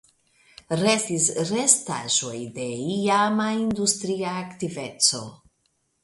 Restis restaĵoj de iama industria aktiveco.